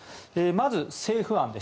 まず政府案